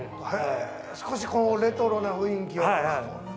少しレトロな雰囲気を出すと。